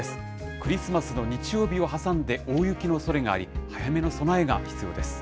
クリスマスの日曜日を挟んで、大雪のおそれがあり、早めの備えが必要です。